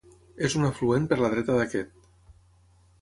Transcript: És un afluent per la dreta d'aquest.